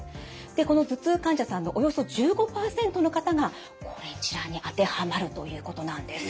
でこの頭痛患者さんのおよそ１５％の方がこれ一覧に当てはまるということなんです。